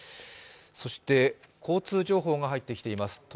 そして交通情報が入ってきています。